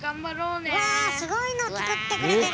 うわすごいの作ってくれてる！